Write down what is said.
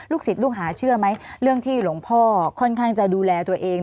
ศิษย์ลูกหาเชื่อไหมเรื่องที่หลวงพ่อค่อนข้างจะดูแลตัวเอง